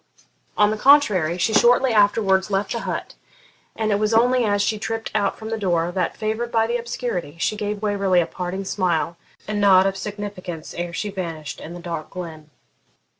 On the contrary, she shortly afterwards left the hut, and it was only as she tript out from the door, that, favoured by the obscurity, she gave Waverley a parting smile and nod of significance ere she vanished in the dark glen.